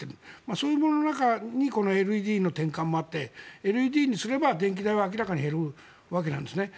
そういうものの中にこのＬＥＤの転換もあってＬＥＤにすれば電気代は明らかに減るわけなんですね。